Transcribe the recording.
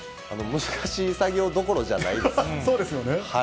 難しい作業どころじゃないでそうですよね。